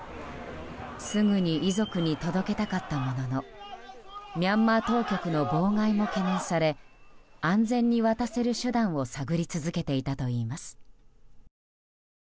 すぐに遺族に届けたかったもののミャンマー当局の妨害も懸念され安全に渡せる手段を探り続けていたといいます。